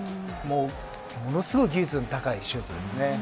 ものすごい技術の高いシュートですね。